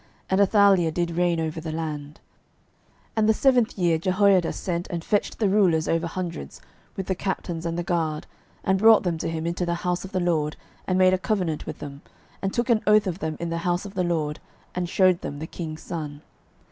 And Athaliah did reign over the land. 12:011:004 And the seventh year Jehoiada sent and fetched the rulers over hundreds, with the captains and the guard, and brought them to him into the house of the LORD, and made a covenant with them, and took an oath of them in the house of the LORD, and shewed them the king's son.